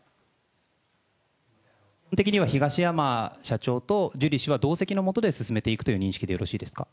東山社長とジュリー氏は同席のもとで進めていくという認識でよろしいですか。